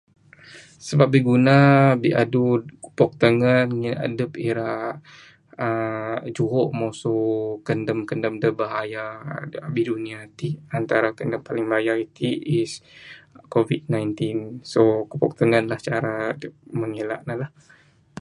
Sabab biguna adu kupok tangan ngin adep ira uhh juho masu kandam kandam da bahaya da abih dunia ti antara paling bahaya iti is COVID-19 so kupok tangan lah cara adep ngelak ne lah.